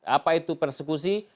apa itu persekusi